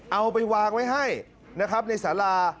เอาไปวางไว้ให้นะครับในสารา